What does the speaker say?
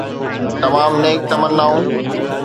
تمام نيڪ تمنائون